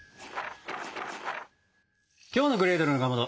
きょうの「グレーテルのかまど」